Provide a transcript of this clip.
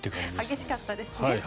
激しかったですね。